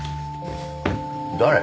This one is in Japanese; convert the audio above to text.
誰？